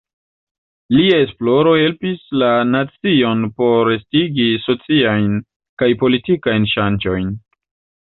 Lia esploro helpis la nacion por estigi sociajn kaj politikajn ŝanĝojn.